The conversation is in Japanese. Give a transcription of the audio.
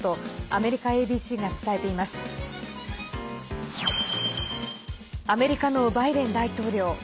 アメリカのバイデン大統領。